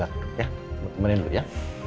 ya teman temanin dulu ya